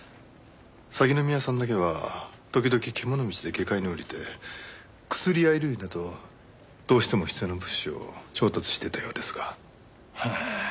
鷺宮さんだけは時々獣道で下界に下りて薬や衣類などどうしても必要な物資を調達していたようですが。